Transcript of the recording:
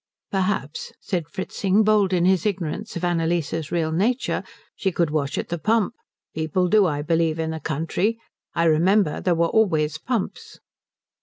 "Perhaps," said Fritzing, bold in his ignorance of Annalise's real nature, "she could wash at the pump. People do, I believe, in the country. I remember there were always pumps."